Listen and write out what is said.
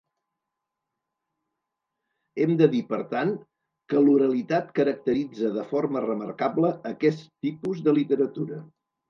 Hem de dir, per tant, que l'oralitat caracteritza de forma remarcable aquest tipus de literatura.